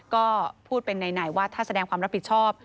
ก็พูดเป็นไหนว่าถ้าแสดงความรับผิดชอบ